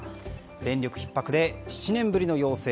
電力ひっ迫で７年ぶりの要請。